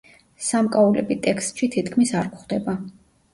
სამკაულები ტექსტში თითქმის არ გვხვდება.